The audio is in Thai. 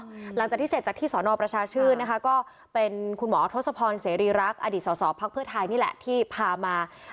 หลังจากที่เสร็จจากที่สอนอประชาชื่นนะคะก็เป็นคุณหมอทศพรเสรีรักษ์อดีตสอสอภักดิ์เพื่อไทยนี่แหละที่พามา